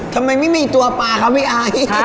ทำไมไม่มีตัวปลาครับพี่ไอ